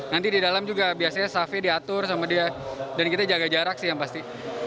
nanti di dalam juga biasanya safet diatur sama dia dan kita jaga jarak sih yang pasti